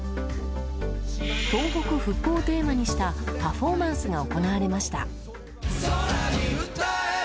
東北復興をテーマにしたパフォーマンスが行われました。